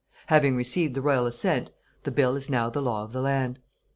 Having received the Royal Assent, the Bill is now the law of the land.